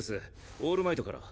オールマイトから。